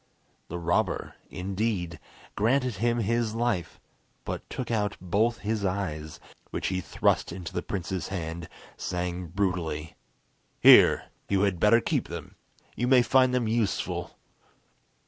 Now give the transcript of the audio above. The robber, indeed, granted him his life, but took out both his eyes, which he thrust into the prince's hand, saying brutally: "Here, you had better keep them! You may find them useful!"